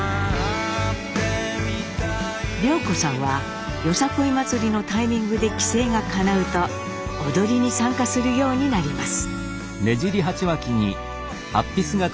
涼子さんはよさこい祭りのタイミングで帰省がかなうと踊りに参加するようになります。